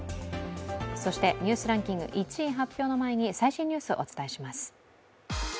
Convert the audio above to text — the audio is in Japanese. そしてニュースランキング１位発表の前に最新のニュースをお伝えします。